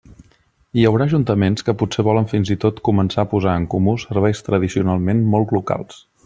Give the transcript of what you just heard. Hi haurà ajuntaments que potser volen fins i tot començar a posar en comú serveis tradicionalment molt locals.